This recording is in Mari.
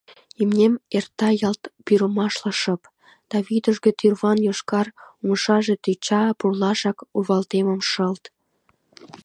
Имнем эрта ялт пӱрымашла шып, да вӱдыжгӧ тӱрван йошкар умшаже тӧча пурлашак урвалтемым шылт.